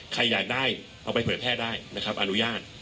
ใครอยากได้เอาไปเผยแพร่ได้นะครับอนุญาต